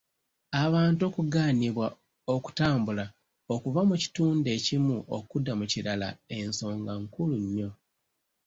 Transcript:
Abantu okugaanibwa okutambula okuva mu kitundu ekimu okudda mu kirala ensonga nkulu nnyo